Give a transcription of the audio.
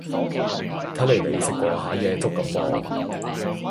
睇黎你食過下夜粥咁噃